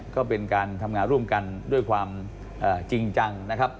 ก็เป็นการทำงานร่วมกันด้วยความจริงจังนะครับ